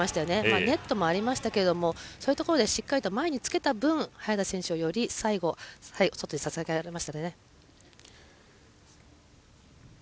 ネットもありましたけどそういうところでしっかりと前につけた分、早田選手をより最後、外に誘えましたね。